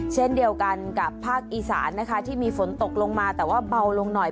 เช่นเดียวกันกับภาคอีสานนะคะที่มีฝนตกลงมาแต่ว่าเบาลงหน่อย